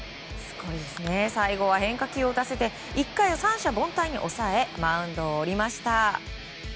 最後は変化球を打たせて１回を三者凡退に抑えマウンドを降りました。